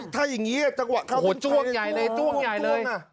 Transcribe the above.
ถ้าอย่างนี้จังหวะจ้วงใหญ่เลยจ้วงจ้วง